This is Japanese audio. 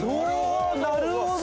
◆なるほど！